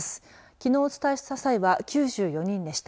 きのうお伝えした際は９４人でした。